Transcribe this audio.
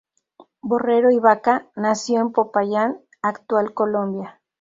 Borrero y Baca nació en Popayán, Actual Colombia.